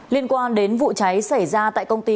liên quan đến vụ cháy xảy ra tại công ty